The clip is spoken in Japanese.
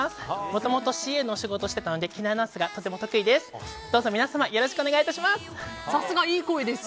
もともとＣＡの仕事をしていたので機内アナウンスがとても得意です。